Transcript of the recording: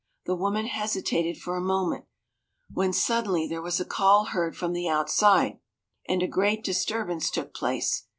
The woman hesitated for a moment, when suddenly there was a call heard from the outside, and a great disturbance took place.